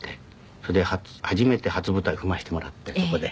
それで初めて初舞台を踏ませてもらってそこで。